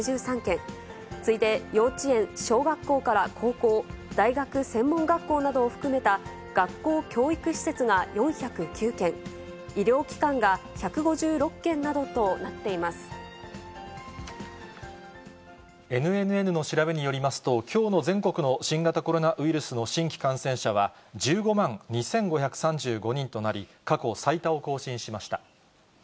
次いで幼稚園、小学校から高校、大学、専門学校などを含めた学校・教育施設が４０９件、医療機関がＮＮＮの調べによりますと、きょうの全国の新型コロナウイルスの新規感染者は、１５万２５３５人となり、過去最多を更新しました。